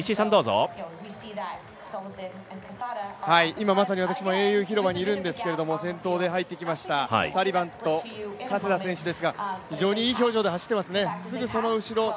今、まさに私も英雄広場にいるんですけども、先頭で入ってきました、サリバンと加世田選手ですが非常にいい表情ですね。